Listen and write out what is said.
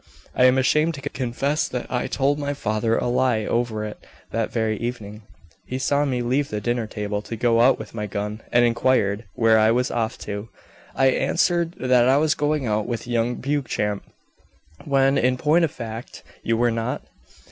I am ashamed to confess that I told my father a lie over it that very evening. He saw me leave the dinner table to go out with my gun, and inquired where I was off to. I answered that I was going out with young Beauchamp." "When, in point of fact, you were not?"